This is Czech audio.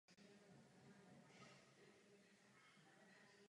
Tvoří malá stáda.